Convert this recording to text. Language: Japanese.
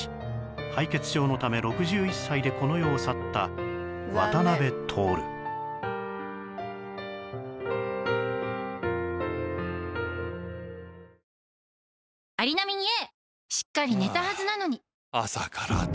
敗血症のため６１歳でこの世を去った渡辺徹ジュー